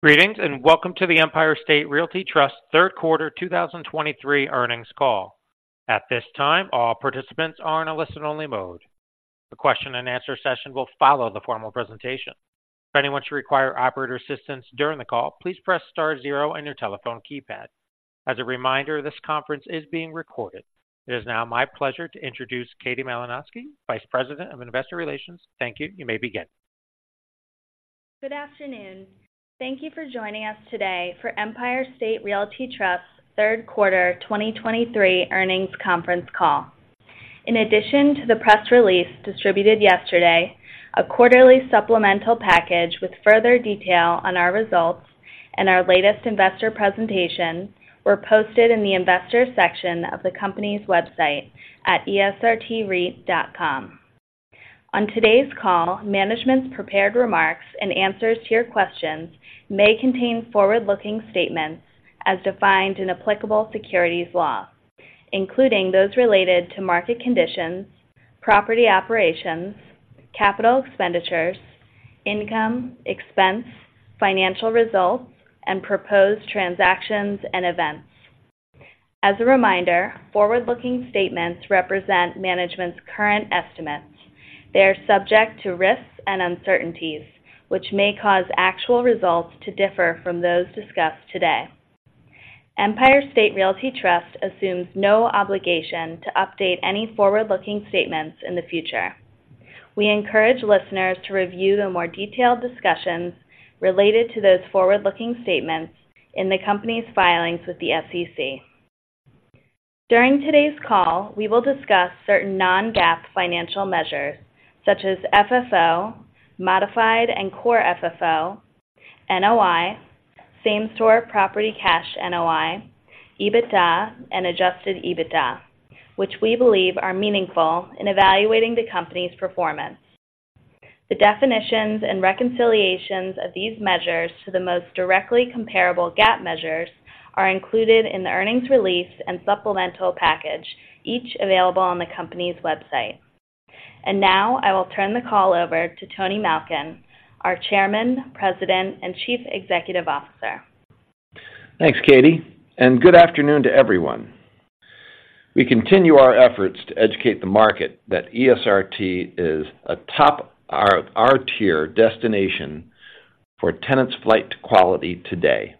Greetings, and welcome to the Empire State Realty Trust Q3 2023 earnings call. At this time, all participants are in a listen-only mode. The question and answer session will follow the formal presentation. If anyone should require operator assistance during the call, please press star zero on your telephone keypad. As a reminder, this conference is being recorded. It is now my pleasure to introduce Katie Malinowski, Vice President of Investor Relations. Thank you. You may begin. Good afternoon. Thank you for joining us today for Empire State Realty Trust's Q3 2023 earnings conference call. In addition to the press release distributed yesterday, a quarterly supplemental package with further detail on our results and our latest investor presentation were posted in the Investors section of the company's website at esrtreit.com. On today's call, management's prepared remarks and answers to your questions may contain forward-looking statements as defined in applicable securities law, including those related to market conditions, property operations, capital expenditures, income, expense, financial results, and proposed transactions and events. As a reminder, forward-looking statements represent management's current estimates. They are subject to risks and uncertainties, which may cause actual results to differ from those discussed today. Empire State Realty Trust assumes no obligation to update any forward-looking statements in the future. We encourage listeners to review the more detailed discussions related to those forward-looking statements in the company's filings with the SEC. During today's call, we will discuss certain non-GAAP financial measures such as FFO, modified and core FFO, NOI, same store property cash NOI, EBITDA, and adjusted EBITDA, which we believe are meaningful in evaluating the company's performance. The definitions and reconciliations of these measures to the most directly comparable GAAP measures are included in the earnings release and supplemental package, each available on the company's website. Now, I will turn the call over to Tony Malkin, our Chairman, President, and Chief Executive Officer. Thanks, Katie, and good afternoon to everyone. We continue our efforts to educate the market that ESRT is a top-of-our-tier destination for tenants' flight to quality today.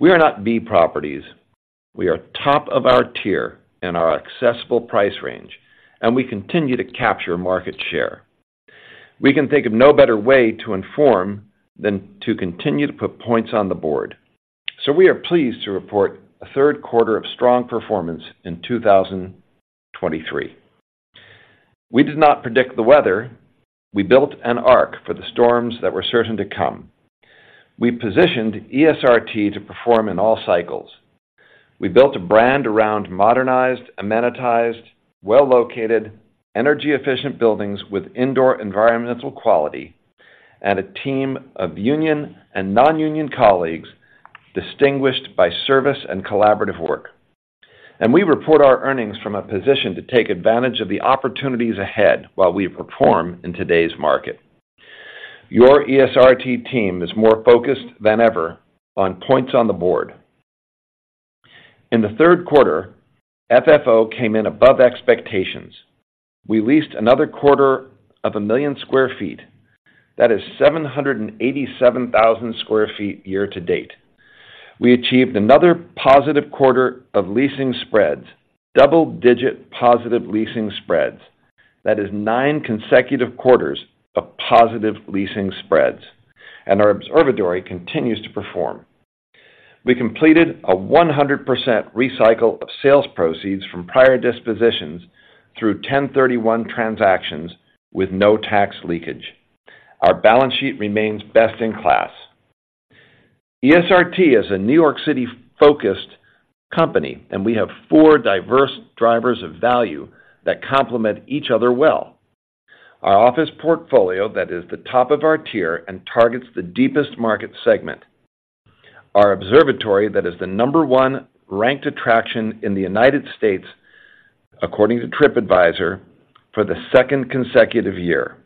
We are not B properties. We are top of our tier in our accessible price range, and we continue to capture market share. We can think of no better way to inform than to continue to put points on the board. So we are pleased to report a third quarter of strong performance in 2023. We did not predict the weather. We built an ark for the storms that were certain to come. We positioned ESRT to perform in all cycles. We built a brand around modernized, amenitized, well-located, energy-efficient buildings with indoor environmental quality and a team of union and non-union colleagues distinguished by service and collaborative work. We report our earnings from a position to take advantage of the opportunities ahead while we perform in today's market. Your ESRT team is more focused than ever on points on the board. In the third quarter, FFO came in above expectations. We leased another 250,000 sq ft. That is 787,000 sq ft year to date. We achieved another positive quarter of leasing spreads, double-digit positive leasing spreads. That is 9 consecutive quarters of positive leasing spreads, and our observatory continues to perform. We completed a 100% recycle of sales proceeds from prior dispositions through 1031 transactions with no tax leakage. Our balance sheet remains best in class. ESRT is a New York City-focused company, and we have four diverse drivers of value that complement each other well. Our office portfolio, that is the top of our tier and targets the deepest market segment, our observatory, that is the number 1 ranked attraction in the United States, according to Tripadvisor, for the second consecutive year.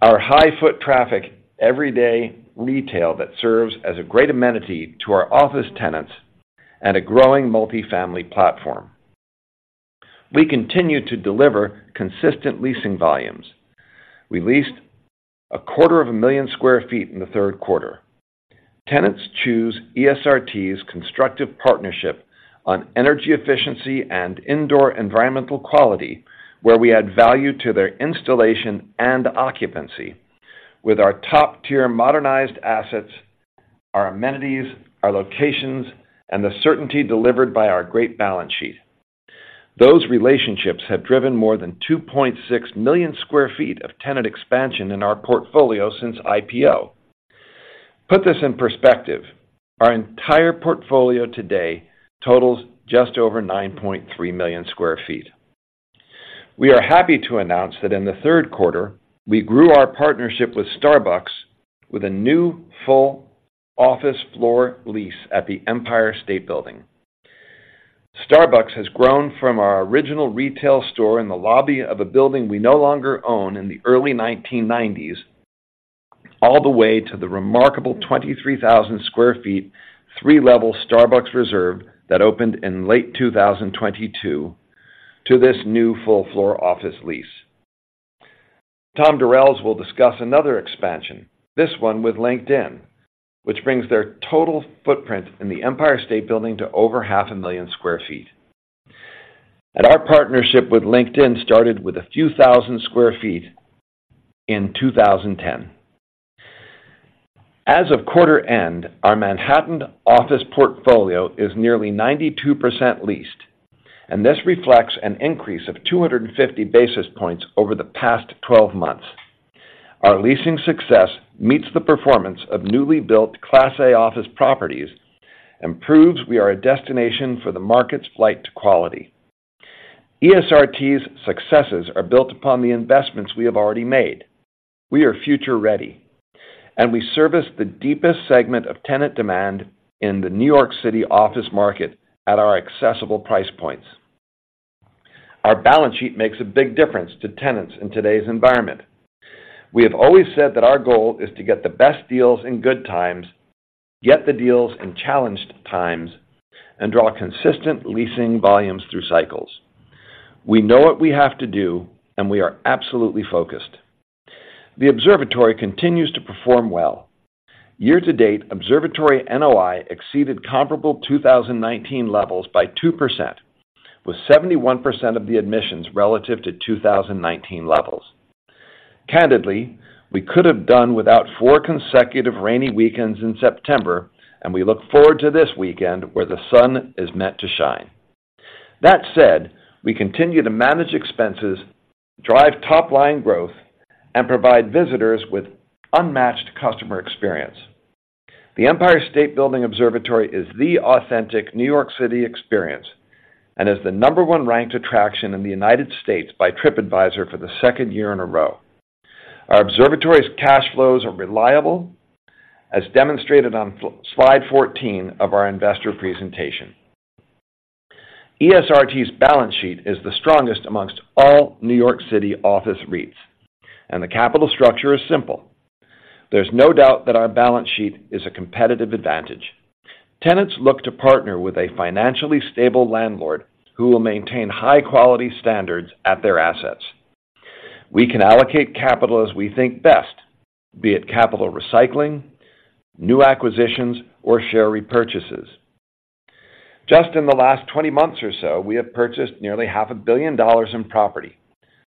Our high foot traffic everyday retail that serves as a great amenity to our office tenants and a growing multifamily platform. We continue to deliver consistent leasing volumes. We leased 250,000 sq ft. in the third quarter. Tenants choose ESRT's constructive partnership on energy efficiency and indoor environmental quality, where we add value to their installation and occupancy with our top-tier modernized assets, our amenities, our locations, and the certainty delivered by our great balance sheet. Those relationships have driven more than 2.6 million sq ft of tenant expansion in our portfolio since IPO. Put this in perspective, our entire portfolio today totals just over 9.3 million sq ft. We are happy to announce that in the third quarter, we grew our partnership with Starbucks with a new full office floor lease at the Empire State Building. Starbucks has grown from our original retail store in the lobby of a building we no longer own in the early 1990s, all the way to the remarkable 23,000 sq ft, three-level Starbucks Reserve that opened in late 2022, to this new full floor office lease. Tom Durels will discuss another expansion, this one with LinkedIn, which brings their total footprint in the Empire State Building to over 500,000 sq ft. And our partnership with LinkedIn started with a few thousand sq ft in 2010. As of quarter end, our Manhattan office portfolio is nearly 92% leased, and this reflects an increase of 250 basis points over the past 12 months. Our leasing success meets the performance of newly built Class A office properties and proves we are a destination for the market's flight to quality. ESRT's successes are built upon the investments we have already made. We are future-ready, and we service the deepest segment of tenant demand in the New York City office market at our accessible price points. Our balance sheet makes a big difference to tenants in today's environment. We have always said that our goal is to get the best deals in good times, get the deals in challenged times, and draw consistent leasing volumes through cycles. We know what we have to do, and we are absolutely focused. The Observatory continues to perform well. Year to date, Observatory NOI exceeded comparable 2019 levels by 2%, with 71% of the admissions relative to 2019 levels. Candidly, we could have done without four consecutive rainy weekends in September, and we look forward to this weekend where the sun is meant to shine. That said, we continue to manage expenses, drive top-line growth, and provide visitors with unmatched customer experience. The Empire State Building Observatory is the authentic New York City experience and is the number one ranked attraction in the United States by Tripadvisor for the second year in a row. Our Observatory's cash flows are reliable, as demonstrated on slide 14 of our investor presentation. ESRT's balance sheet is the strongest among all New York City office REITs, and the capital structure is simple. There's no doubt that our balance sheet is a competitive advantage. Tenants look to partner with a financially stable landlord who will maintain high-quality standards at their assets. We can allocate capital as we think best, be it capital recycling, new acquisitions, or share repurchases. Just in the last 20 months or so, we have purchased nearly $500 million in property,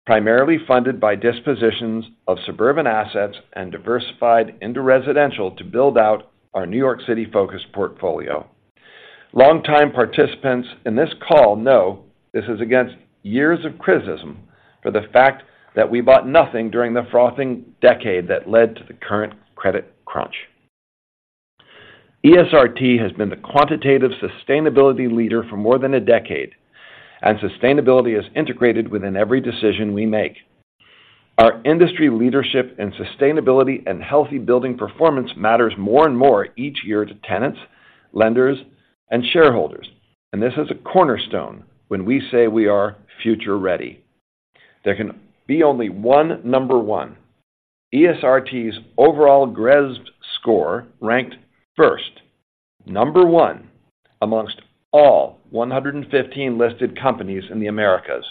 primarily funded by dispositions of suburban assets and diversified into residential to build out our New York City-focused portfolio. Long-time participants in this call know this is against years of criticism for the fact that we bought nothing during the frothing decade that led to the current credit crunch. ESRT has been the quantitative sustainability leader for more than a decade, and sustainability is integrated within every decision we make. Our industry leadership in sustainability and healthy building performance matters more and more each year to tenants, lenders, and shareholders, and this is a cornerstone when we say we are future-ready. There can be only one number one. ESRT's overall GRESB score ranked first, number one, among all 115 listed companies in the Americas,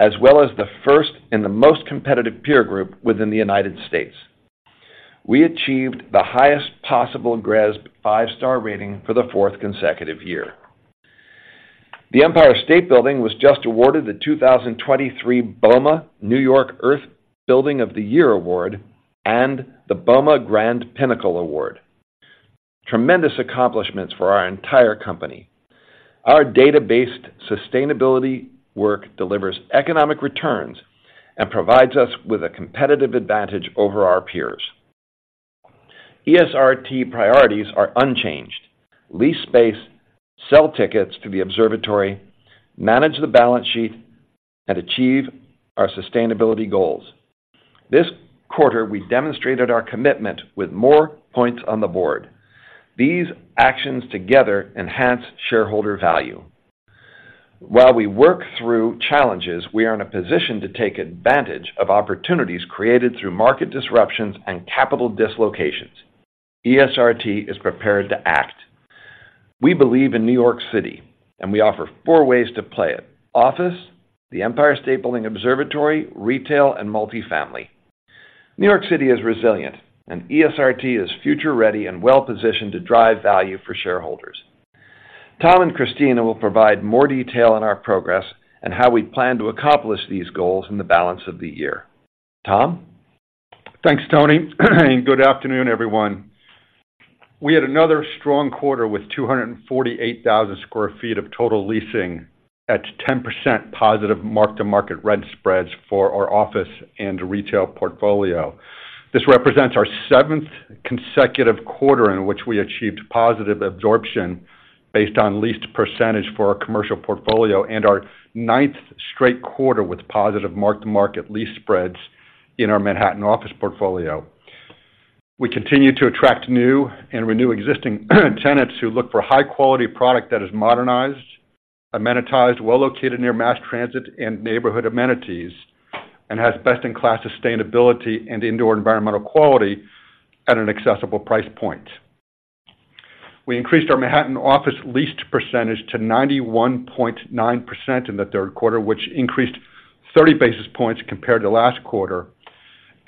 as well as the first in the most competitive peer group within the United States. We achieved the highest possible GRESB five-star rating for the fourth consecutive year. The Empire State Building was just awarded the 2023 BOMA New York Earth Building of the Year Award and the BOMA Grand Pinnacle Award. Tremendous accomplishments for our entire company. Our data-based sustainability work delivers economic returns and provides us with a competitive advantage over our peers. ESRT priorities are unchanged: lease space, sell tickets to the observatory, manage the balance sheet, and achieve our sustainability goals. This quarter, we demonstrated our commitment with more points on the board. These actions together enhance shareholder value. While we work through challenges, we are in a position to take advantage of opportunities created through market disruptions and capital dislocations. ESRT is prepared to act. We believe in New York City, and we offer four ways to play it: office, the Empire State Building Observatory, retail, and multifamily. New York City is resilient, and ESRT is future-ready and well-positioned to drive value for shareholders. Tom and Christina will provide more detail on our progress and how we plan to accomplish these goals in the balance of the year. Tom? Thanks, Tony. Good afternoon, everyone. We had another strong quarter with 248,000 sq ft of total leasing at 10% positive mark-to-market rent spreads for our office and retail portfolio. This represents our seventh consecutive quarter in which we achieved positive absorption based on leased percentage for our commercial portfolio and our ninth straight quarter with positive mark-to-market lease spreads in our Manhattan office portfolio. We continue to attract new and renew existing tenants who look for high quality product that is modernized, amenitized, well located near mass transit and neighborhood amenities, and has best-in-class sustainability and indoor environmental quality at an accessible price point. We increased our Manhattan office leased percentage to 91.9% in the third quarter, which increased 30 basis points compared to last quarter,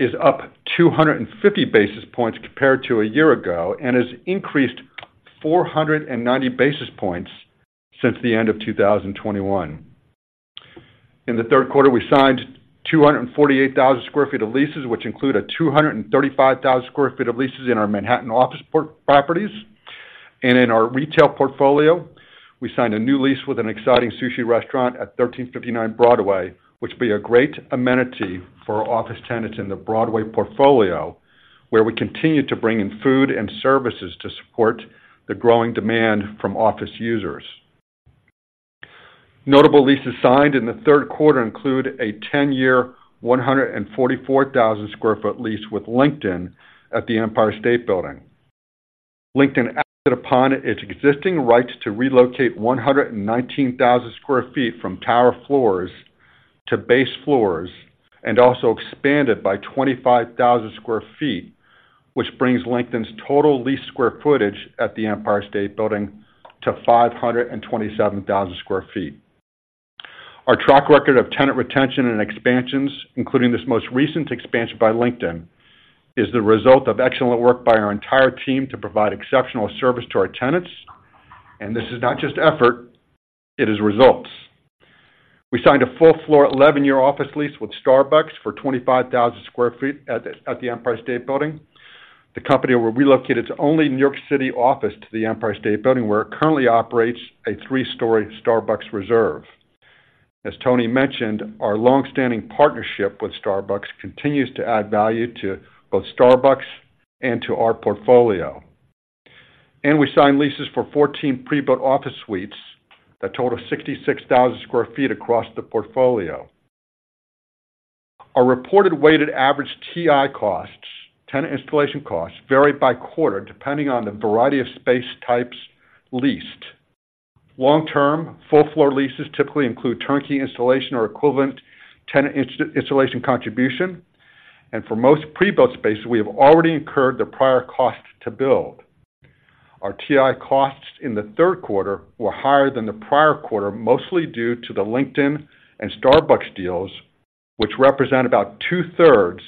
is up 250 basis points compared to a year ago, and has increased 490 basis points since the end of 2021. In the third quarter, we signed 248,000 sq ft of leases, which include 235,000 sq ft of leases in our Manhattan office portfolio properties. In our retail portfolio, we signed a new lease with an exciting sushi restaurant at 1359 Broadway, which will be a great amenity for our office tenants in the Broadway portfolio, where we continue to bring in food and services to support the growing demand from office users. Notable leases signed in the third quarter include a 10-year, 144,000 sq ft lease with LinkedIn at the Empire State Building. LinkedIn acted upon its existing rights to relocate 119,000 sq ft from tower floors to base floors and also expanded by 25,000 sq ft, which brings LinkedIn's total leased square footage at the Empire State Building to 527,000 sq ft. Our track record of tenant retention and expansions, including this most recent expansion by LinkedIn, is the result of excellent work by our entire team to provide exceptional service to our tenants, and this is not just effort, it is results. We signed a full floor, 11-year office lease with Starbucks for 25,000 sq ft at the Empire State Building. The company will relocate its only New York City office to the Empire State Building, where it currently operates a 3-story Starbucks Reserve. As Tony mentioned, our long-standing partnership with Starbucks continues to add value to both Starbucks and to our portfolio. We signed leases for 14 pre-built office suites that total 66,000 sq ft across the portfolio. Our reported weighted average TI costs, tenant improvement costs, vary by quarter, depending on the variety of space types leased. Long-term, full floor leases typically include turnkey installation or equivalent tenant installation contribution, and for most pre-built space, we have already incurred the prior cost to build. Our TI costs in the third quarter were higher than the prior quarter, mostly due to the LinkedIn and Starbucks deals, which represent about two-thirds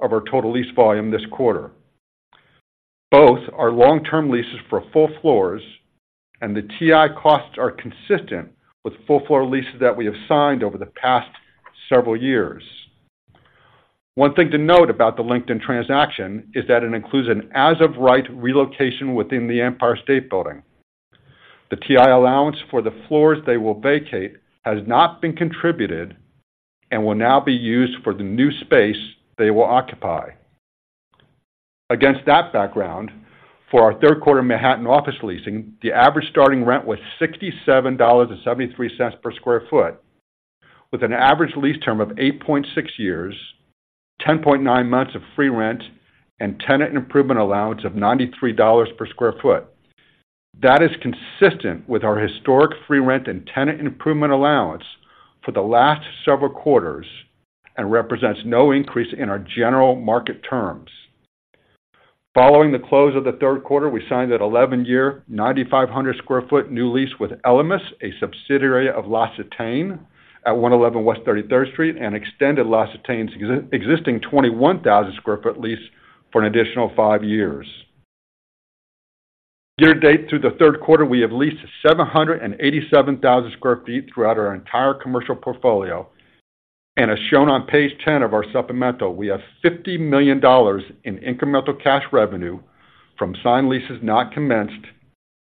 of our total lease volume this quarter. Both are long-term leases for full floors, and the TI costs are consistent with full floor leases that we have signed over the past several years. One thing to note about the LinkedIn transaction is that it includes an as-of-right relocation within the Empire State Building. The TI allowance for the floors they will vacate has not been contributed and will now be used for the new space they will occupy. Against that background, for our third quarter Manhattan office leasing, the average starting rent was $67.73 per sq ft, with an average lease term of 8.6 years, 10.9 months of free rent, and tenant improvement allowance of $93 per sq ft. That is consistent with our historic free rent and tenant improvement allowance for the last several quarters and represents no increase in our general market terms. Following the close of the third quarter, we signed an 11-year, 9,500 sq ft new lease with Elemis, a subsidiary of L'Occitane, at 111 West 33rd Street, and extended L'Occitane's existing 21,000 sq ft lease for an additional five years. Year to date through the third quarter, we have leased 787,000 sq ft throughout our entire commercial portfolio, and as shown on page 10 of our supplemental, we have $50 million in incremental cash revenue from signed leases not commenced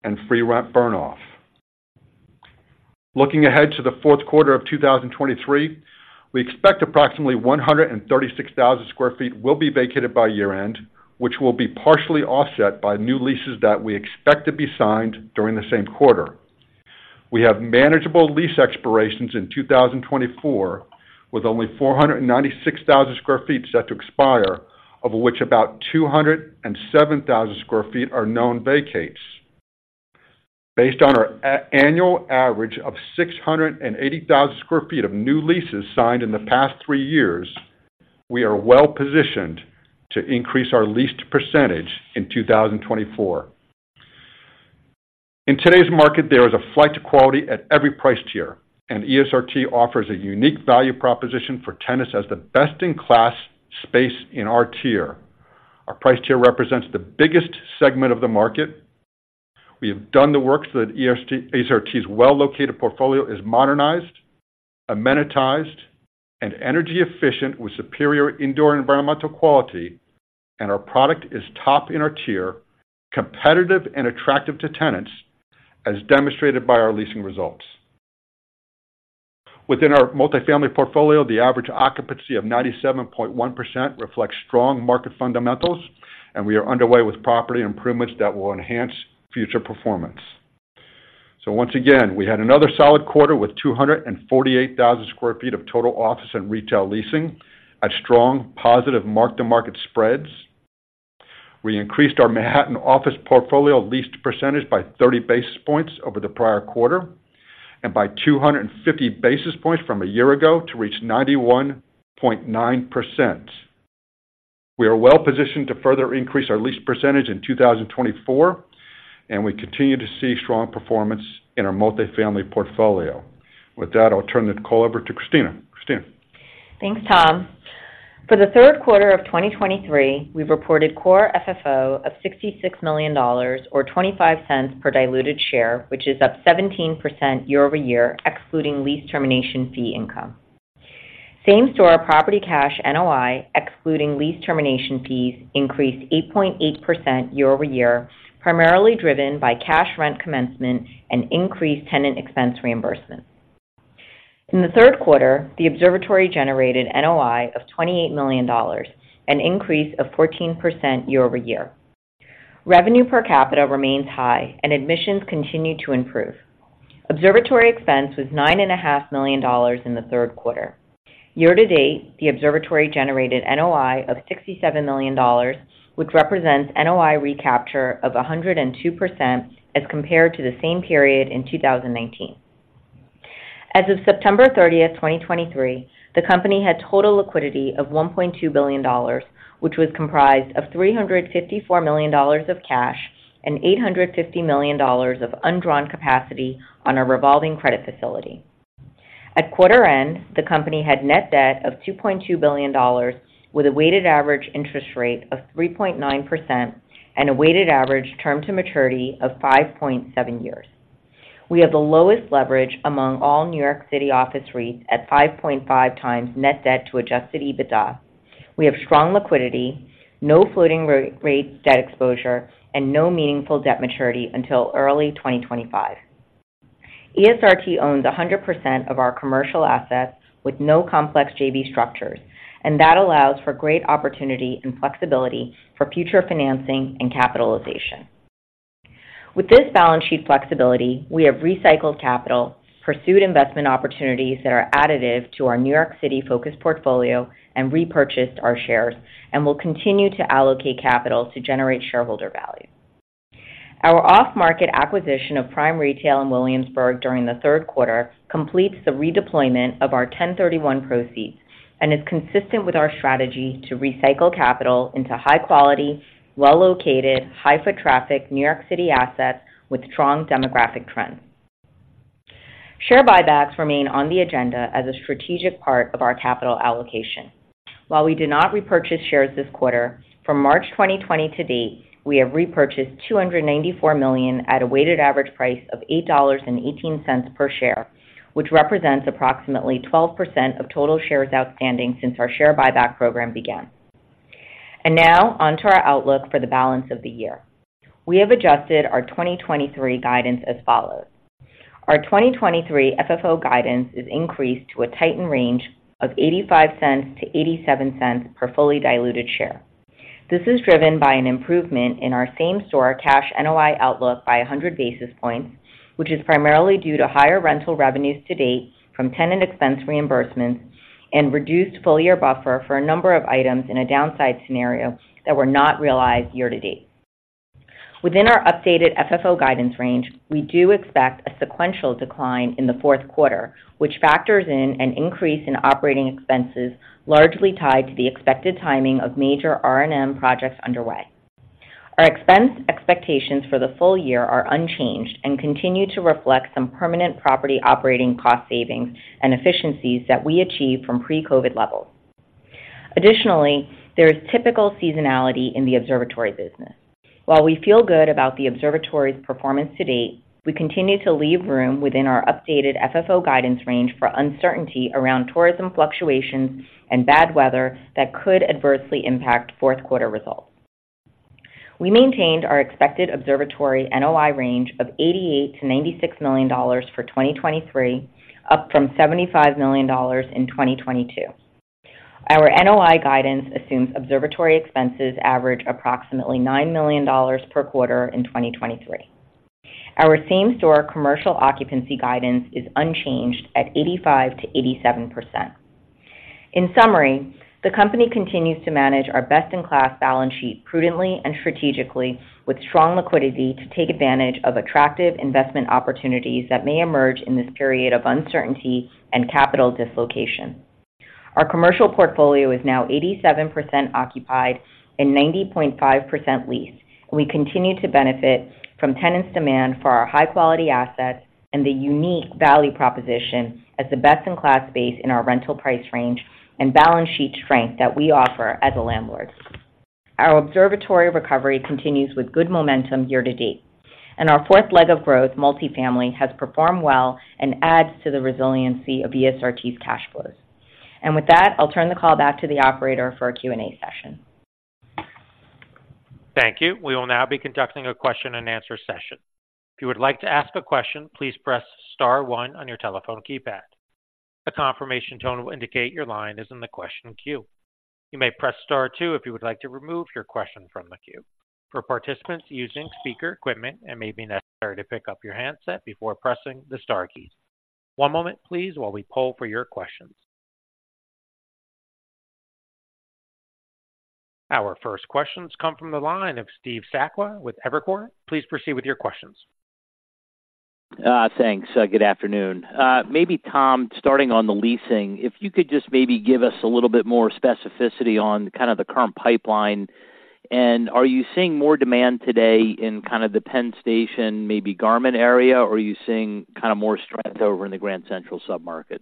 and free rent burn off. Looking ahead to the fourth quarter of 2023, we expect approximately 136,000 sq ft will be vacated by year-end, which will be partially offset by new leases that we expect to be signed during the same quarter. We have manageable lease expirations in 2024, with only 496,000 sq ft set to expire, of which about 207,000 sq ft. are known vacates. Based on our annual average of 680,000 sq ft of new leases signed in the past three years, we are well positioned to increase our leased percentage in 2024. In today's market, there is a flight to quality at every price tier, and ESRT offers a unique value proposition for tenants as the best-in-class space in our tier. Our price tier represents the biggest segment of the market. We have done the work so that ESRT's well-located portfolio is modernized, amenitized, and energy efficient, with superior indoor environmental quality, and our product is top in our tier, competitive and attractive to tenants, as demonstrated by our leasing results. Within our multifamily portfolio, the average occupancy of 97.1% reflects strong market fundamentals, and we are underway with property improvements that will enhance future performance. So once again, we had another solid quarter with 248,000 sq ft of total office and retail leasing at strong positive mark-to-market spreads. We increased our Manhattan office portfolio leased percentage by 30 basis points over the prior quarter, and by 250 basis points from a year ago to reach 91.9%. We are well positioned to further increase our lease percentage in 2024, and we continue to see strong performance in our multifamily portfolio. With that, I'll turn the call over to Christina. Christina? Thanks, Tom. For the Q3 of 2023, we've reported Core FFO of $66 million or $0.25 per diluted share, which is up 17% year-over-year, excluding lease termination fee income. Same-Store Property Cash NOI, excluding lease termination fees, increased 8.8% year-over-year, primarily driven by cash rent commencement and increased tenant expense reimbursement. In the Q3, the Observatory generated NOI of $28 million, an increase of 14% year-over-year. Revenue per capita remains high and admissions continue to improve. Observatory expense was $9.5 million in the third quarter. Year-to-date, the Observatory generated NOI of $67 million, which represents NOI recapture of 102% as compared to the same period in 2019. As of September 30, 2023, the company had total liquidity of $1.2 billion, which was comprised of $354 million of cash and $850 million of undrawn capacity on our revolving credit facility. At quarter end, the company had net debt of $2.2 billion, with a weighted average interest rate of 3.9% and a weighted average term to maturity of 5.7 years. We have the lowest leverage among all New York City office REITs at 5.5x net debt to adjusted EBITDA. We have strong liquidity, no floating rate debt exposure, and no meaningful debt maturity until early 2025. ESRT owns 100% of our commercial assets with no complex JV structures, and that allows for great opportunity and flexibility for future financing and capitalization. With this balance sheet flexibility, we have recycled capital, pursued investment opportunities that are additive to our New York City-focused portfolio, and repurchased our shares, and will continue to allocate capital to generate shareholder value. Our off-market acquisition of prime retail in Williamsburg during the Q3 completes the redeployment of our 1031 proceeds and is consistent with our strategy to recycle capital into high quality, well-located, high foot traffic, New York City assets with strong demographic trends. Share buybacks remain on the agenda as a strategic part of our capital allocation. While we did not repurchase shares this quarter, from March 2020 to date, we have repurchased $294 million at a weighted average price of $8.18 per share, which represents approximately 12% of total shares outstanding since our share buyback program began. Now on to our outlook for the balance of the year. We have adjusted our 2023 guidance as follows: Our 2023 FFO guidance is increased to a tightened range of $0.85-$0.87 per fully diluted share. This is driven by an improvement in our same-store cash NOI outlook by 100 basis points, which is primarily due to higher rental revenues to date from tenant expense reimbursements and reduced full year buffer for a number of items in a downside scenario that were not realized year to date. Within our updated FFO guidance range, we do expect a sequential decline in the Q4, which factors in an increase in operating expenses, largely tied to the expected timing of major R&M projects underway. Our expense expectations for the full year are unchanged and continue to reflect some permanent property operating cost savings and efficiencies that we achieve from pre-COVID levels. Additionally, there is typical seasonality in the Observatory business. While we feel good about the Observatory's performance to date, we continue to leave room within our updated FFO guidance range for uncertainty around tourism fluctuations and bad weather that could adversely impact Q4 results. We maintained our expected Observatory NOI range of $88 million-$96 million for 2023, up from $75 million in 2022. Our NOI guidance assumes Observatory expenses average approximately $9 million per quarter in 2023. Our same-store commercial occupancy guidance is unchanged at 85%-87%. In summary, the company continues to manage our best-in-class balance sheet prudently and strategically with strong liquidity to take advantage of attractive investment opportunities that may emerge in this period of uncertainty and capital dislocation. Our commercial portfolio is now 87% occupied and 90.5% leased, and we continue to benefit from tenants' demand for our high-quality assets and the unique value proposition as the best-in-class base in our rental price range and balance sheet strength that we offer as a landlord. Our Observatory recovery continues with good momentum year to date, and our fourth leg of growth, multifamily, has performed well and adds to the resiliency of ESRT's cash flows. With that, I'll turn the call back to the operator for our Q&A session. Thank you. We will now be conducting a question and answer session. If you would like to ask a question, please press star one on your telephone keypad. A confirmation tone will indicate your line is in the question queue. You may press star two if you would like to remove your question from the queue. For participants using speaker equipment, it may be necessary to pick up your handset before pressing the star key. One moment please, while we poll for your questions. Our first questions come from the line of Steve Sakwa with Evercore. Please proceed with your questions. Thanks. Good afternoon. Maybe, Tom, starting on the leasing, if you could just maybe give us a little bit more specificity on kind of the current pipeline. And are you seeing more demand today in kind of the Penn Station, maybe Garment District, or are you seeing kind of more strength over in the Grand Central submarket?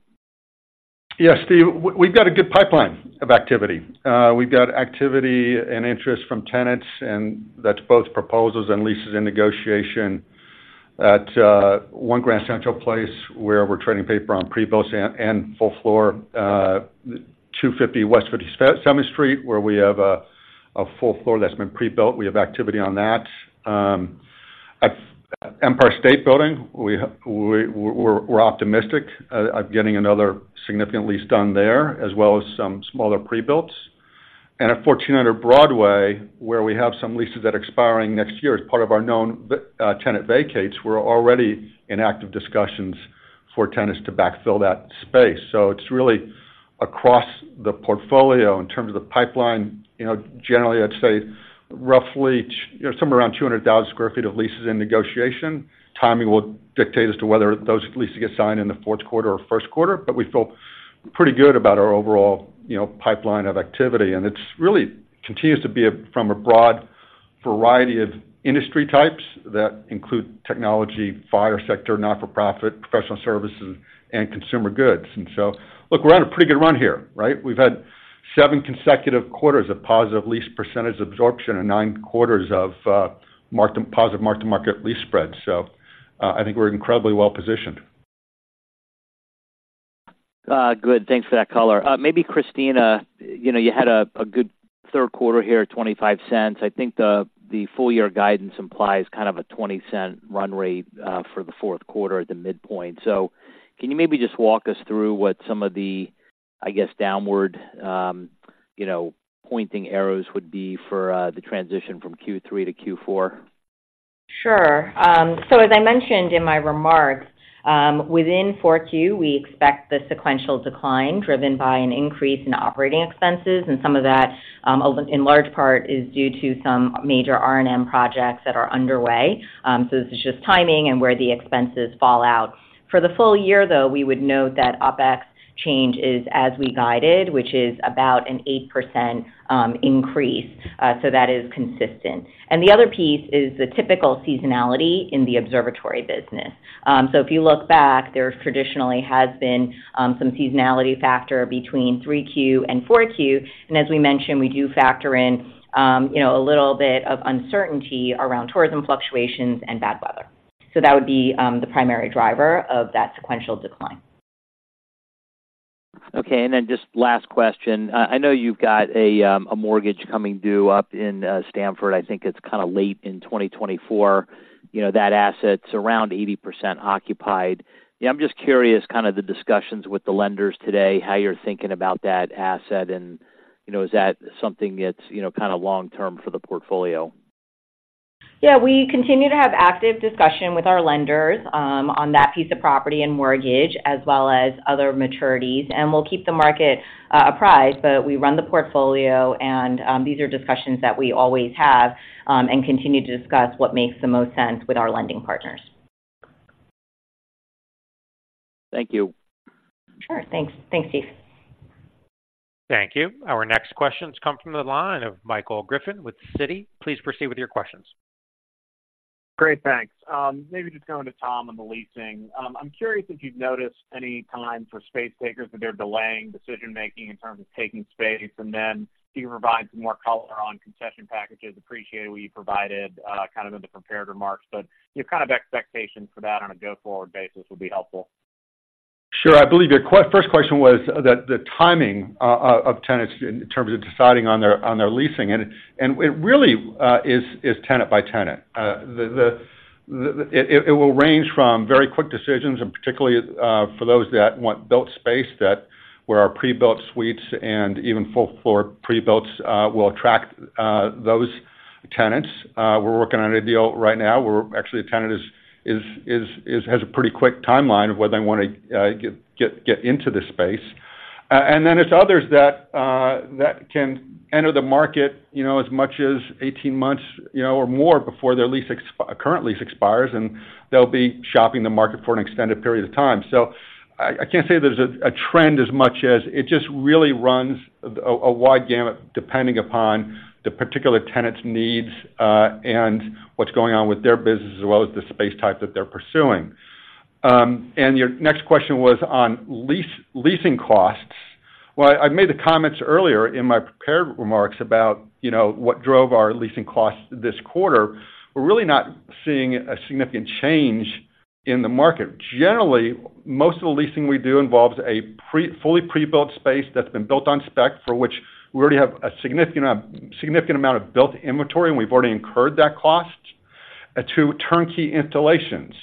Yes, Steve, we've got a good pipeline of activity. We've got activity and interest from tenants, and that's both proposals and leases in negotiation at One Grand Central Place, where we're turning paper on prebuilts and full floor, 250 West 57th Street, where we have a full floor that's been pre-built. We have activity on that. At Empire State Building, we're optimistic at getting another significant lease done there, as well as some smaller prebuilts. At 1400 Broadway, where we have some leases that are expiring next year as part of our known tenant vacates, we're already in active discussions for tenants to backfill that space. It's really across the portfolio in terms of the pipeline. You know, generally, I'd say roughly, somewhere around 200,000 sq ft of leases in negotiation. Timing will dictate as to whether those leases get signed in the fourth quarter or first quarter, but we feel pretty good about our overall, you know, pipeline of activity. It's really continues to be from a broad variety of industry types that include technology, FIRE sector, not-for-profit, professional services, and consumer goods. Look, we're on a pretty good run here, right? We've had seven consecutive quarters of positive lease percentage absorption and nine quarters of market, positive mark-to-market lease spreads, so I think we're incredibly well-positioned. Good. Thanks for that color. Maybe, Christina, you know, you had a good third quarter here at $0.25. I think the full year guidance implies kind of a $0.20 run rate for the Q4 at the midpoint. So can you maybe just walk us through what some of the, I guess, downward, you know, pointing arrows would be for the transition from Q3 to Q4? Sure. So as I mentioned in my remarks, within 4Q, we expect the sequential decline driven by an increase in operating expenses, and some of that, in large part, is due to some major R&M projects that are underway. So this is just timing and where the expenses fall out. For the full year, though, we would note that OpEx change is as we guided, which is about an 8% increase, so that is consistent. And the other piece is the typical seasonality in the observatory business. So if you look back, there traditionally has been some seasonality factor between 3Q and 4Q. And as we mentioned, we do factor in, you know, a little bit of uncertainty around tourism fluctuations and bad weather. So that would be the primary driver of that sequential decline. Okay, and then just last question. I know you've got a mortgage coming due up in Stamford. I think it's kind of late in 2024. You know, that asset's around 80% occupied. Yeah, I'm just curious, kind of the discussions with the lenders today, how you're thinking about that asset and, you know, is that something that's, you know, kind of long-term for the portfolio? Yeah, we continue to have active discussion with our lenders, on that piece of property and mortgage, as well as other maturities, and we'll keep the market, apprised. But we run the portfolio and, these are discussions that we always have, and continue to discuss what makes the most sense with our lending partners. Thank you. Sure. Thanks. Thanks, Steve. Thank you. Our next questions come from the line of Michael Griffin with Citi. Please proceed with your questions. Great. Thanks. Maybe just going to Tom on the leasing. I'm curious if you've noticed any time for space takers, that they're delaying decision-making in terms of taking space, and then if you can provide some more color on concession packages. Appreciate what you provided, kind of in the prepared remarks, but your kind of expectation for that on a go-forward basis would be helpful. Sure. I believe your first question was the timing of tenants in terms of deciding on their leasing, and it really is tenant by tenant. It will range from very quick decisions, and particularly for those that want built space, that where our pre-built suites and even full floor pre-builts will attract those tenants. We're working on a deal right now, where actually a tenant has a pretty quick timeline of whether they want to get into the space. And then there's others that can enter the market, you know, as much as 18 months, you know, or more before their current lease expires, and they'll be shopping the market for an extended period of time. So I can't say there's a trend as much as it just really runs a wide gamut, depending upon the particular tenant's needs, and what's going on with their business, as well as the space type that they're pursuing. And your next question was on leasing costs. Well, I made the comments earlier in my prepared remarks about, you know, what drove our leasing costs this quarter. We're really not seeing a significant change in the market. Generally, most of the leasing we do involves fully pre-built space that's been built on spec, for which we already have a significant amount of built inventory, and we've already incurred that cost to turnkey installations.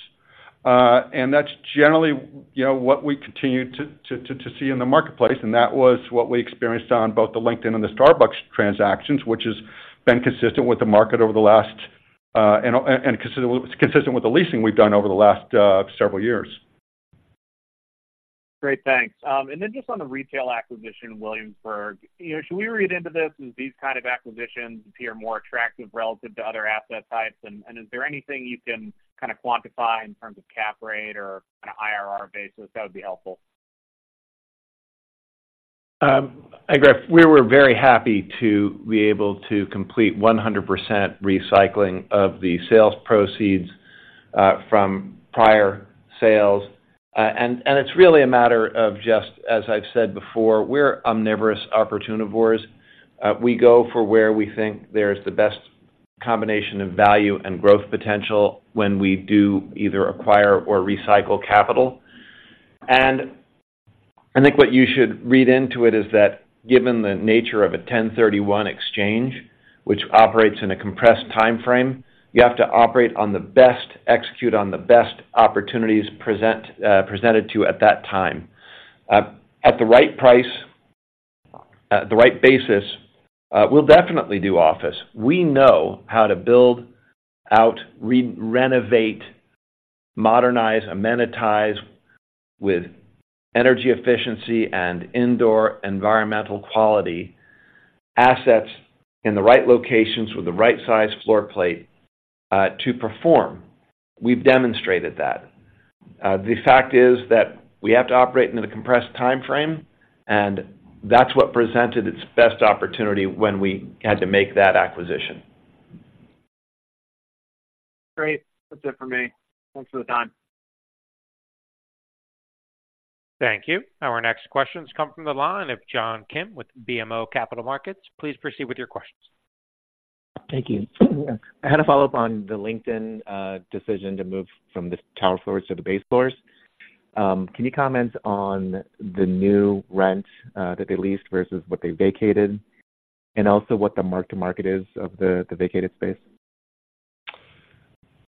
And that's generally, you know, what we continue to see in the marketplace, and that was what we experienced on both the LinkedIn and the Starbucks transactions, which has been consistent with the market over the last, and consistent with the leasing we've done over the last several years. Great, thanks. And then just on the retail acquisition in Williamsburg, you know, should we read into this, as these kind of acquisitions appear more attractive relative to other asset types? And, is there anything you can kind of quantify in terms of cap rate or an IRR basis that would be helpful? And Griff, we were very happy to be able to complete 100% recycling of the sales proceeds from prior sales. And it's really a matter of just, as I've said before, we're omnivorous opportunivores. We go for where we think there's the best combination of value and growth potential when we do either acquire or recycle capital. And I think what you should read into it is that given the nature of a1031 exchange, which operates in a compressed timeframe, you have to operate on the best, execute on the best opportunities present, presented to you at that time. At the right price, at the right basis, we'll definitely do office. We know how to build out, renovate, modernize, amenitize with energy efficiency and indoor environmental quality, assets in the right locations with the right size floor plate, to perform. We've demonstrated that. The fact is that we have to operate in a compressed timeframe, and that's what presented its best opportunity when we had to make that acquisition. Great. That's it for me. Thanks for the time. Thank you. Our next questions come from the line of John Kim with BMO Capital Markets. Please proceed with your questions. Thank you. I had a follow-up on the LinkedIn decision to move from the tower floors to the base floors. Can you comment on the new rent that they leased versus what they vacated, and also what the mark-to-market is of the vacated space?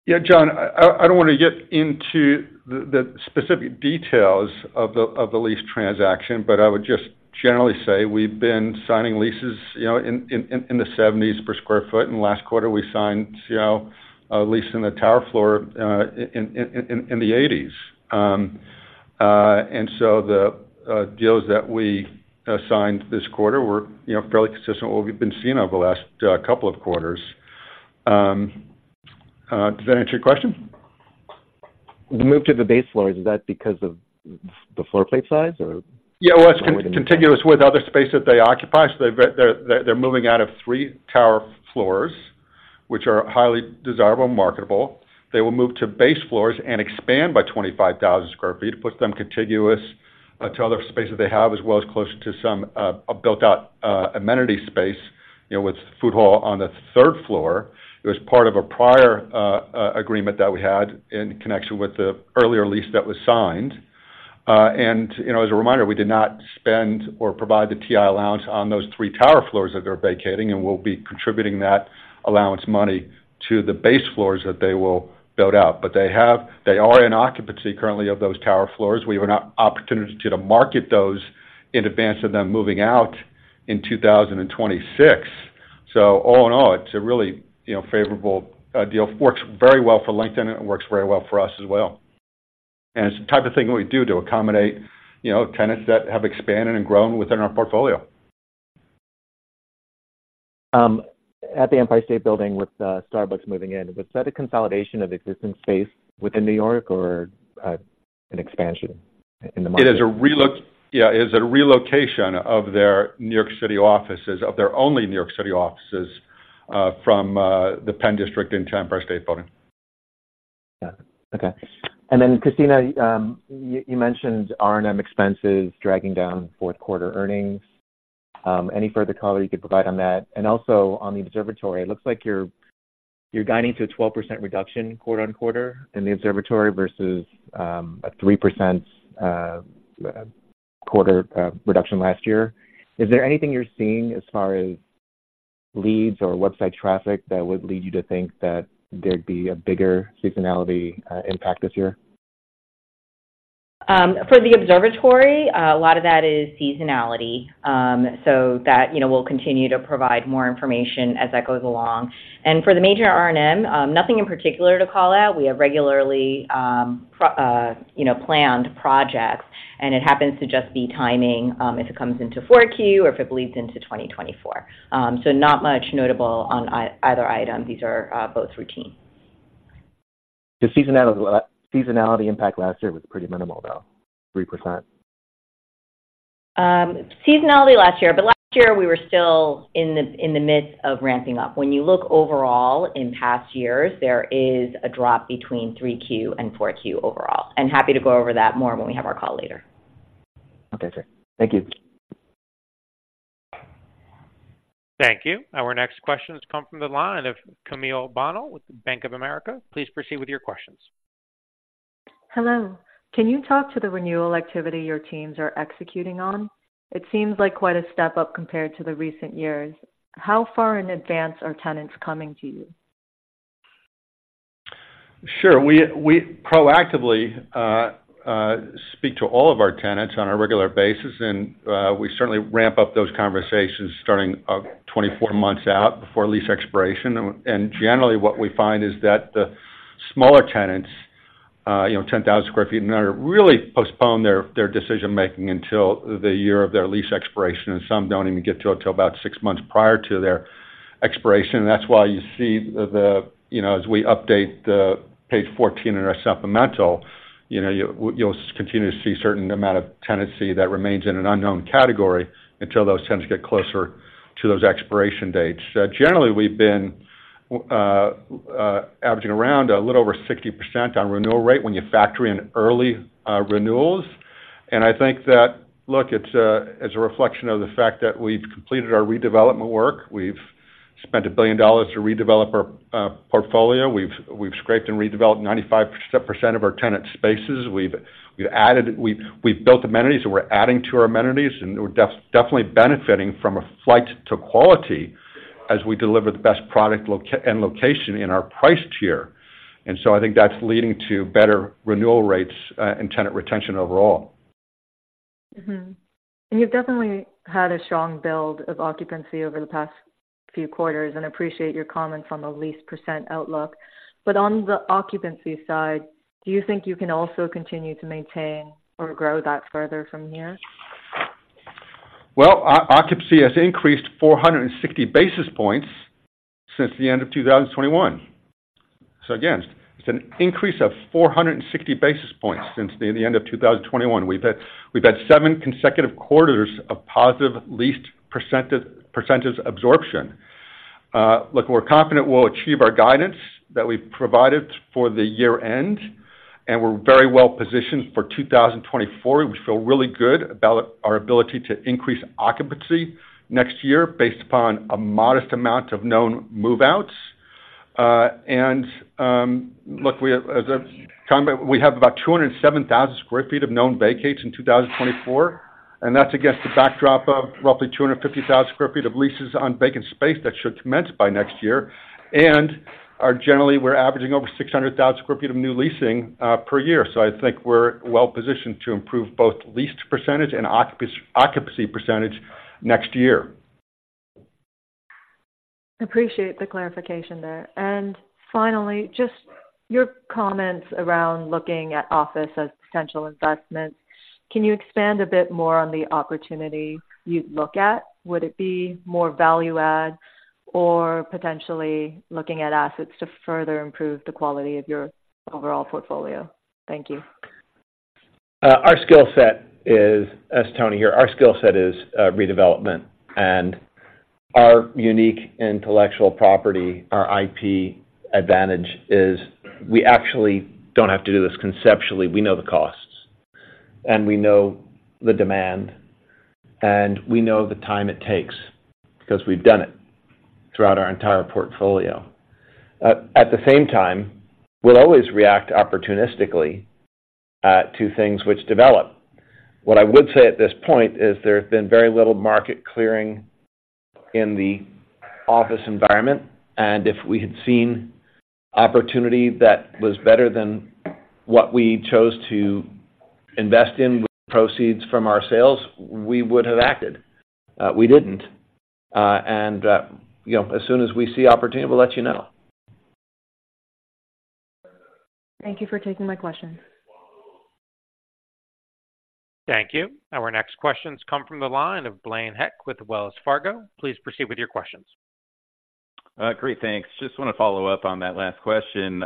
Yeah, John, I don't wanna get into the specific details of the lease transaction, but I would just generally say we've been signing leases, you know, in the $70s per sq ft. And last quarter we signed, you know, a lease in the tower floor in the $80s. And so the deals that we signed this quarter were, you know, fairly consistent with what we've been seeing over the last couple of quarters. Does that answer your question? The move to the base floors, is that because of the floor plate size, or? Yeah, well, it's contiguous with other space that they occupy. So they're moving out of three tower floors, which are highly desirable and marketable. They will move to base floors and expand by 25,000 sq ft. It puts them contiguous to other spaces they have, as well as closer to some a built out amenity space, you know, with food hall on the third floor. It was part of a prior agreement that we had in connection with the earlier lease that was signed. And, you know, as a reminder, we did not spend or provide the TI allowance on those three tower floors that they're vacating, and we'll be contributing that allowance money to the base floors that they will build out. But they are in occupancy currently of those tower floors. We have an opportunity to market those in advance of them moving out in 2026. So all in all, it's a really, you know, favorable deal. Works very well for LinkedIn, and it works very well for us as well. And it's the type of thing we do to accommodate, you know, tenants that have expanded and grown within our portfolio. At the Empire State Building, with Starbucks moving in, was that a consolidation of existing space within New York or an expansion in the market? It is a relocation. Yeah, it is a relocation of their New York City offices, of their only New York City offices, from the Penn District into Empire State Building. Yeah. Okay. And then, Christina, you, you mentioned R&M expenses dragging down fourth quarter earnings. Any further color you could provide on that? And also on the observatory, it looks like you're, you're guiding to a 12% reduction quarter-over-quarter in the observatory versus a 3%, quarter reduction last year. Is there anything you're seeing as far as leads or website traffic that would lead you to think that there'd be a bigger seasonality impact this year? For the observatory, a lot of that is seasonality. So that, you know, we'll continue to provide more information as that goes along. And for the major R&M, nothing in particular to call out. We have regularly, you know, planned projects, and it happens to just be timing, if it comes into Q4 or if it bleeds into 2024. So not much notable on either item. These are both routine. The seasonality impact last year was pretty minimal, though, 3%. Seasonality last year, but last year we were still in the midst of ramping up. When you look overall in past years, there is a drop between 3Q and 4Q overall. Happy to go over that more when we have our call later. Okay, great. Thank you. Thank you. Our next questions come from the line of Camille Bonhomme with Bank of America. Please proceed with your questions. Hello. Can you talk to the renewal activity your teams are executing on? It seems like quite a step up compared to the recent years. How far in advance are tenants coming to you? Sure. We proactively speak to all of our tenants on a regular basis, and we certainly ramp up those conversations starting 24 months out before lease expiration. And generally, what we find is that the smaller tenants, you know, 10,000 sq ft, and they really postpone their decision-making until the year of their lease expiration, and some don't even get to it till about 6 months prior to their expiration. And that's why you see the you know, as we update the page 14 in our supplemental, you know, you'll continue to see a certain amount of tenancy that remains in an unknown category until those tenants get closer to those expiration dates. Generally, we've been averaging around a little over 60% on renewal rate when you factor in early renewals. I think that, look, it's a reflection of the fact that we've completed our redevelopment work. We've spent $1 billion to redevelop our portfolio. We've scraped and redeveloped 95% of our tenant spaces. We've added—we've built amenities, and we're adding to our amenities, and we're definitely benefiting from a flight to quality as we deliver the best product, location in our price tier. And so I think that's leading to better renewal rates, and tenant retention overall. Mm-hmm. And you've definitely had a strong build of occupancy over the past few quarters, and appreciate your comments on the lease percent outlook. But on the occupancy side, do you think you can also continue to maintain or grow that further from here? Well, occupancy has increased 460 basis points since the end of 2021. So again, it's an increase of 460 basis points since the end of 2021. We've had, we've had 7 consecutive quarters of positive leased percentage absorption. Look, we're confident we'll achieve our guidance that we've provided for the year-end, and we're very well positioned for 2024. We feel really good about our ability to increase occupancy next year based upon a modest amount of known move-outs. Look, we have, as a comment, we have about 207,000 sq ft of known vacates in 2024, and that's against the backdrop of roughly 250,000 sq ft of leases on vacant space that should commence by next year. Generally, we're averaging over 600,000 sq ft of new leasing per year. So I think we're well positioned to improve both leased percentage and occupancy percentage next year. Appreciate the clarification there. Finally, just your comments around looking at office as potential investments. Can you expand a bit more on the opportunity you'd look at? Would it be more value add or potentially looking at assets to further improve the quality of your overall portfolio? Thank you. Our skill set is, as Tony here, our skill set is, redevelopment. And our unique intellectual property, our IP advantage, is we actually don't have to do this conceptually. We know the costs, and we know the demand, and we know the time it takes because we've done it throughout our entire portfolio. At the same time, we'll always react opportunistically to things which develop. What I would say at this point is there's been very little market clearing in the office environment, and if we had seen opportunity that was better than what we chose to invest in with proceeds from our sales, we would have acted. We didn't, and, you know, as soon as we see opportunity, we'll let you know. Thank you for taking my question. Thank you. Our next questions come from the line of Blaine Heck with Wells Fargo. Please proceed with your questions. Great, thanks. Just want to follow up on that last question.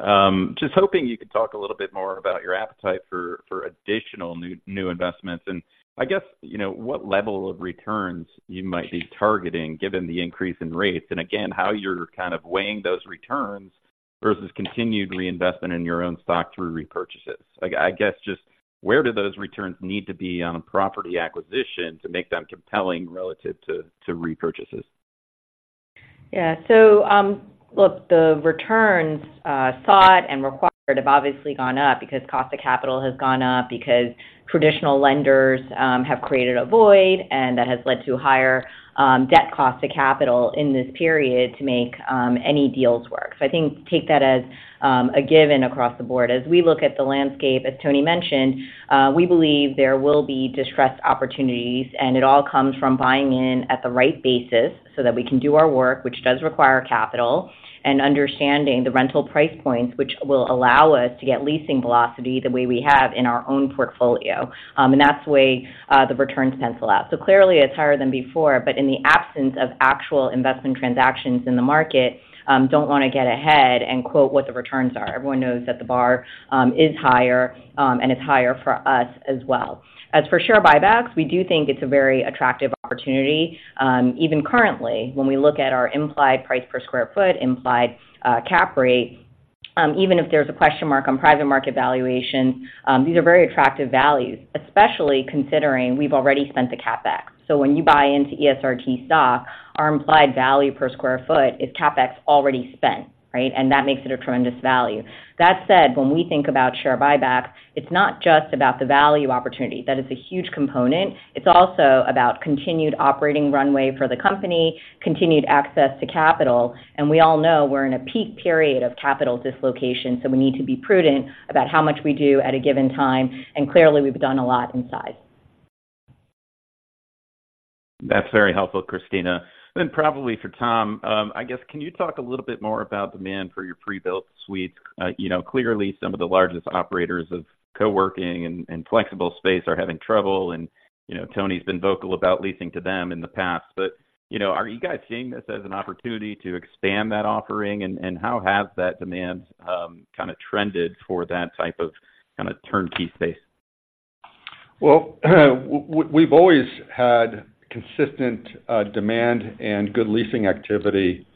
Just hoping you could talk a little bit more about your appetite for additional new investments, and I guess, you know, what level of returns you might be targeting given the increase in rates. And again, how you're kind of weighing those returns versus continued reinvestment in your own stock through repurchases. Like, I guess, just where do those returns need to be on a property acquisition to make them compelling relative to repurchases? Yeah. So, look, the returns sought and required have obviously gone up because cost of capital has gone up, because traditional lenders have created a void, and that has led to higher debt cost of capital in this period to make any deals work. So I think take that as a given across the board. As we look at the landscape, as Tony mentioned, we believe there will be distressed opportunities, and it all comes from buying in at the right basis so that we can do our work, which does require capital, and understanding the rental price points, which will allow us to get leasing velocity the way we have in our own portfolio. And that's the way the returns pencil out. So clearly it's higher than before, but in the absence of actual investment transactions in the market, don't want to get ahead and quote what the returns are. Everyone knows that the bar is higher, and it's higher for us as well. As for share buybacks, we do think it's a very attractive opportunity, even currently, when we look at our implied price per square foot, implied cap rate. Even if there's a question mark on private market valuation, these are very attractive values, especially considering we've already spent the CapEx. So when you buy into ESRT stock, our implied value per square foot is CapEx already spent, right? And that makes it a tremendous value. That said, when we think about share buyback, it's not just about the value opportunity. That is a huge component. It's also about continued operating runway for the company, continued access to capital, and we all know we're in a peak period of capital dislocation, so we need to be prudent about how much we do at a given time, and clearly, we've done a lot in size. That's very helpful, Christina. Then probably for Tom, I guess, can you talk a little bit more about demand for your pre-built suites? You know, clearly some of the largest operators of coworking and flexible space are having trouble, and, you know, Tony's been vocal about leasing to them in the past. But, you know, are you guys seeing this as an opportunity to expand that offering, and how has that demand kinda trended for that type of kinda turnkey space? Well, we've always had consistent demand and good leasing activity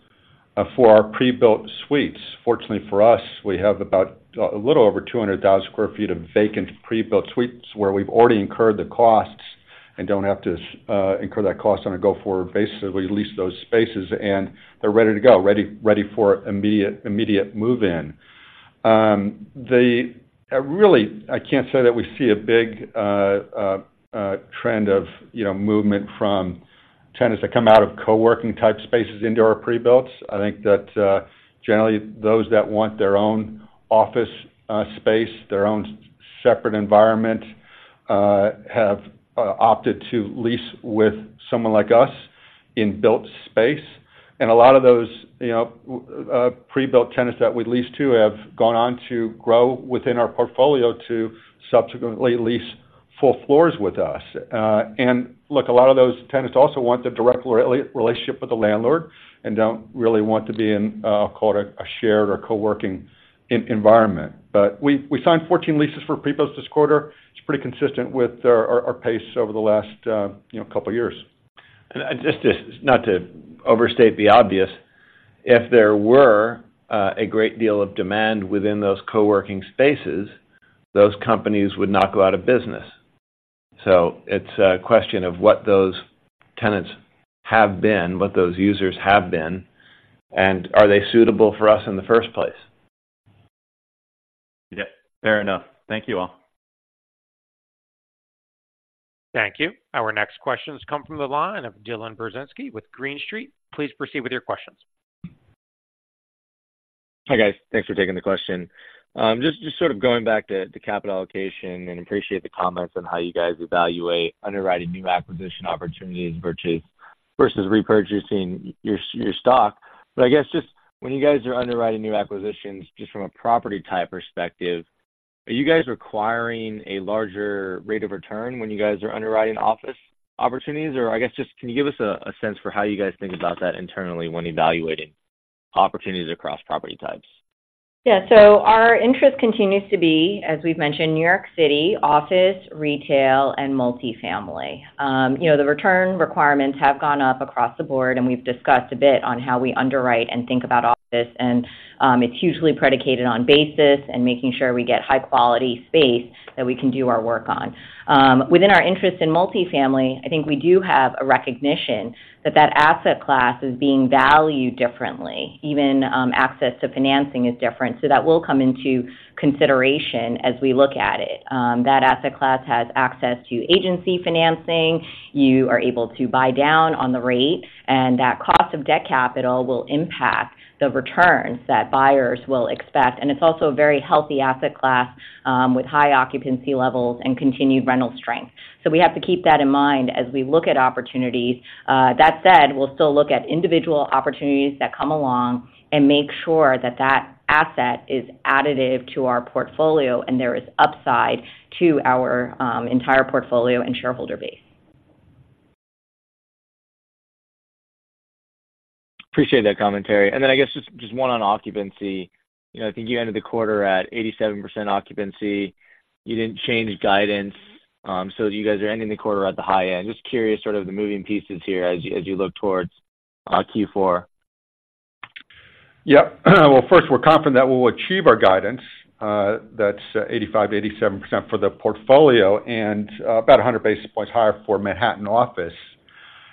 for our pre-built suites. Fortunately for us, we have about a little over 200,000 sq ft of vacant pre-built suites, where we've already incurred the costs and don't have to incur that cost on a go-forward basis. We lease those spaces, and they're ready to go, ready for immediate move-in. Really, I can't say that we see a big trend of, you know, movement from tenants that come out of coworking-type spaces into our pre-builts. I think that generally, those that want their own office space, their own separate environment have opted to lease with someone like us in built space. A lot of those, you know, pre-built tenants that we lease to have gone on to grow within our portfolio to subsequently lease full floors with us. And look, a lot of those tenants also want the direct relationship with the landlord and don't really want to be in, call it, a shared or coworking environment. But we signed 14 leases for pre-builts this quarter. It's pretty consistent with our pace over the last, you know, couple years. Just to, not to overstate the obvious, if there were a great deal of demand within those coworking spaces, those companies would not go out of business. It's a question of what those tenants have been, what those users have been, and are they suitable for us in the first place? Yep, fair enough. Thank you, all. Thank you. Our next questions come from the line of Dylan Burzinski with Green Street. Please proceed with your questions. Hi, guys. Thanks for taking the question. Just sort of going back to the capital allocation and appreciate the comments on how you guys evaluate underwriting new acquisition opportunities versus repurchasing your stock. But I guess, just when you guys are underwriting new acquisitions, just from a property-type perspective, are you guys requiring a larger rate of return when you guys are underwriting office opportunities? Or I guess, just can you give us a sense for how you guys think about that internally when evaluating opportunities across property types? Yeah. So our interest continues to be, as we've mentioned, New York City, office, retail, and multifamily. You know, the return requirements have gone up across the board, and we've discussed a bit on how we underwrite and think about office. And, it's usually predicated on basis and making sure we get high-quality space that we can do our work on. Within our interest in multifamily, I think we do have a recognition that that asset class is being valued differently. Even, access to financing is different, so that will come into consideration as we look at it. That asset class has access to agency financing. You are able to buy down on the rate, and that cost of debt capital will impact the returns that buyers will expect. It's also a very healthy asset class with high occupancy levels and continued rental strength. We have to keep that in mind as we look at opportunities. That said, we'll still look at individual opportunities that come along and make sure that that asset is additive to our portfolio, and there is upside to our entire portfolio and shareholder base. Appreciate that commentary. Then, I guess, just, just one on occupancy. You know, I think you ended the quarter at 87% occupancy. You didn't change guidance, so you guys are ending the quarter at the high end. Just curious, sort of the moving pieces here as you, as you look towards Q4. Yep. Well, first, we're confident that we'll achieve our guidance, that's 85%-87% for the portfolio and, about 100 basis points higher for Manhattan office.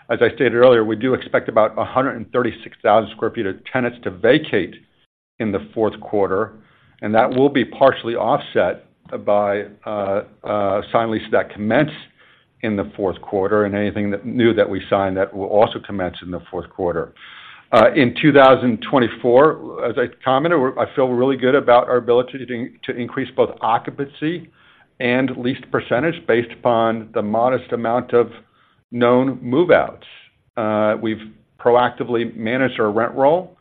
As I stated earlier, we do expect about 136,000 sq ft. of tenants to vacate in the fourth quarter, and that will be partially offset by signed leases that commence in the fourth quarter and anything that new that we sign that will also commence in the fourth quarter. In 2024, as I commented, we're. I feel really good about our ability to increase both occupancy and leased percentage based upon the modest amount of known move-outs. We've proactively managed our rent roll.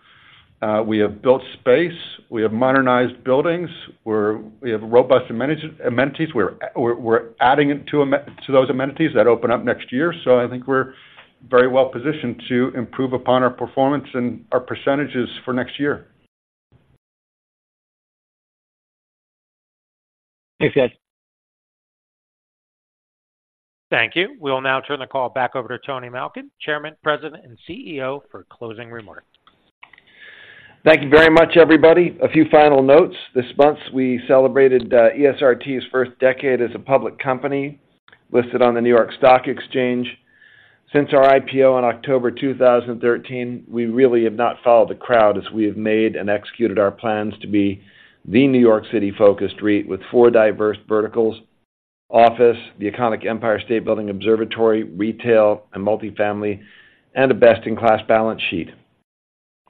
We have built space. We have modernized buildings. We're. We have robust amenities. Amenities, we're adding it to those amenities that open up next year. So I think we're very well-positioned to improve upon our performance and our percentages for next year. Thanks, guys. Thank you. We'll now turn the call back over to Tony Malkin, Chairman, President, and CEO, for closing remarks. Thank you very much, everybody. A few final notes. This month, we celebrated ESRT's first decade as a public company, listed on the New York Stock Exchange. Since our IPO in October 2013, we really have not followed the crowd as we have made and executed our plans to be the New York City-focused REIT with four diverse verticals: office, the iconic Empire State Building Observatory, retail, and multifamily, and a best-in-class balance sheet.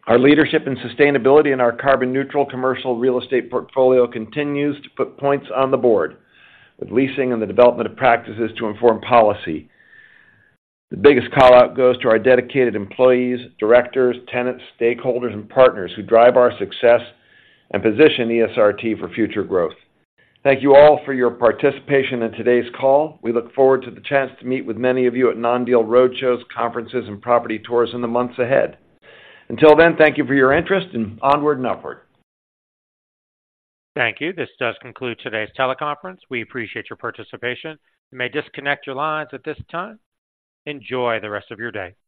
Our leadership and sustainability in our carbon-neutral commercial real estate portfolio continues to put points on the board, with leasing and the development of practices to inform policy. The biggest call-out goes to our dedicated employees, directors, tenants, stakeholders, and partners who drive our success and position ESRT for future growth. Thank you all for your participation in today's call. We look forward to the chance to meet with many of you at non-deal roadshows, conferences, and property tours in the months ahead. Until then, thank you for your interest, and onward and upward. Thank you. This does conclude today's teleconference. We appreciate your participation. You may disconnect your lines at this time. Enjoy the rest of your day.